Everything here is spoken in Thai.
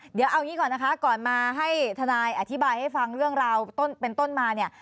เดี๋ยวเอางี้ก่อนนะคะก่อนมาให้ทนายอธิบายให้ฟังเรื่องราวต้นเป็นต้นมาเนี่ย